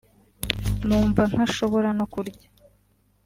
numva ntashobora no kurya